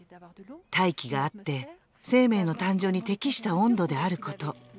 大気があって生命の誕生に適した温度であること。